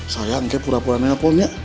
sayang ke pura pura nekponnya